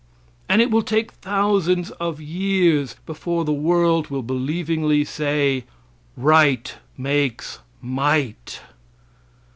And it will take thousands of years before the world will believingly say, "Right makes might."